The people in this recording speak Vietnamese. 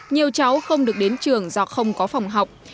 nhiều cháu không được đến trường do không có phòng học